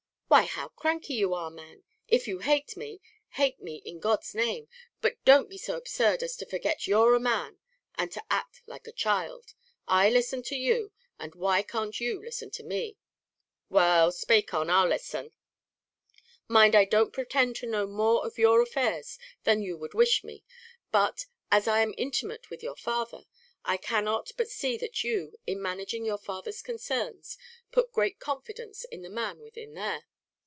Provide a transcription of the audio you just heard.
"Why how cranky you are, man! If you hate me, hate me in God's name, but don't be so absurd as to forget you're a man, and to act like a child. I listened to you and why can't you listen to me?" "Well, spake on, I'll listen." "Mind, I don't pretend to know more of your affairs than you would wish me; but, as I am intimate with your father, I cannot but see that you, in managing your father's concerns, put great confidence in the man within there."